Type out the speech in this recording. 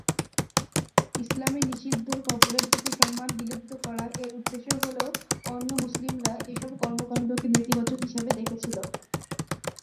ইসলামে নিষিদ্ধ কবরের প্রতি সম্মান বিলুপ্ত করা এর উদ্দেশ্য হলেও অন্য মুসলিমরা এসব কর্মকাণ্ডকে নেতিবাচকভাবে দেখেছিল।